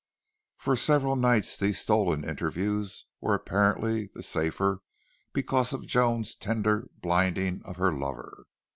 15 For several nights these stolen interviews were apparently the safer because of Joan's tender blinding of her lover.